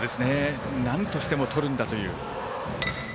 なんとしてもとるんだという。